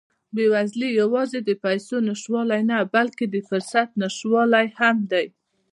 بېوزلي یوازې د پیسو نشتوالی نه، بلکې د فرصت نشتوالی هم دی.